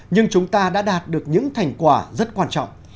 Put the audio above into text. nhưng chúng ta đã đạt được những thành quả rất quan trọng